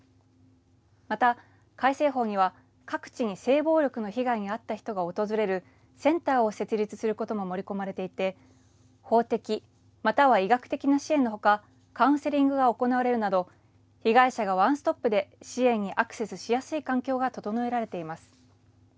また、改正法には各地に性暴力の被害に遭った人が訪れるセンターを設立することも盛り込まれていて法的または医学的な支援の他カウンセリングが行われるなど被害者がワンストップで支援にアクセスしやすい環境が整えられています。